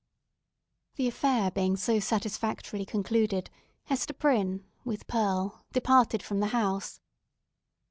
The affair being so satisfactorily concluded, Hester Prynne, with Pearl, departed from the house.